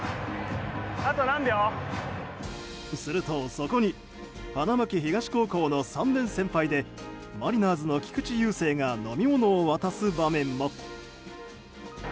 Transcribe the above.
するとそこに花巻東高校の３年先輩でマリナーズの菊池雄星が飲み物を渡す場面も。